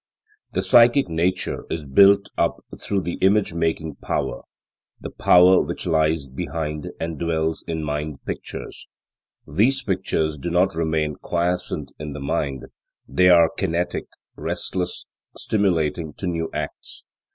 The psychic nature is built up through the image making power, the power which lies behind and dwells in mind pictures. These pictures do not remain quiescent in the mind; they are kinetic, restless, stimulating to new acts.